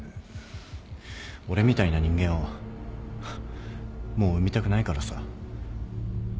俺みたいな人間をもう生みたくないからさ。